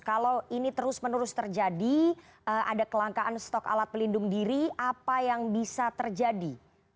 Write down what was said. kalau ini terus menerus terjadi ada kelangkaan stok alat pelindung diri apa yang bisa terjadi